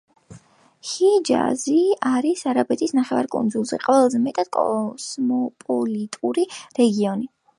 ჰიჯაზი არის არაბეთის ნახევარკუნძულზე ყველაზე მეტად კოსმოპოლიტური რეგიონი.